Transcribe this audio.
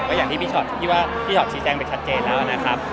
ก็อย่างที่พี่ชอตชี้แจ้งเป็นชัดเจนแล้วนะครับ